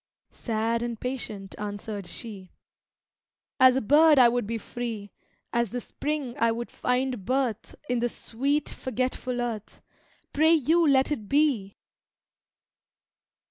Sad and patient answered she, "As a bird I would be free; As the spring I would find birth In the sweet, forgetful earth Pray you, let it be!"